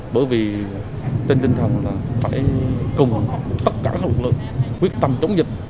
bởi vì trên tinh thần là phải cùng tất cả các lực lượng quyết tâm chống dịch